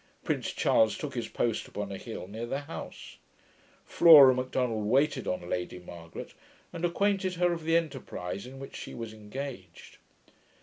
Prince Charles took his post upon a hill near the house. Flora Macdonald waited on Lady Margaret, and acquainted her of the enterprise in which she was engaged.